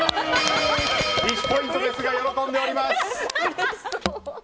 １ポイントですが喜んでおります。